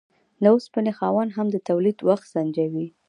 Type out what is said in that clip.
د اوسپنې خاوند هم د تولید وخت سنجوي.